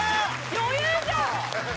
余裕じゃん！